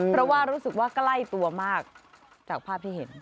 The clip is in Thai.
เพราะว่ารู้สึกว่าใกล้ตัวมากจากภาพที่เห็น